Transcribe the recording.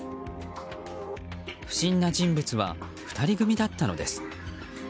不審な人物は２人組だったのです。